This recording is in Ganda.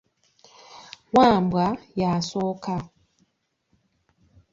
Wambwa y'asooka.